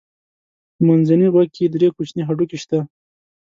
په منځني غوږ کې درې کوچني هډوکي شته.